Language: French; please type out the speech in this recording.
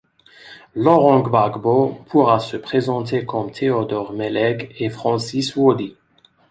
Laurent Gbagbo pourra se présenter comme Théodore Mel Eg et Francis Wodié.